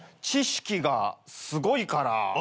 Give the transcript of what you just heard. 知識がすごいから。